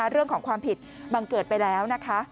เรื่องของความผิดบังเกิดไปแล้วนะคะ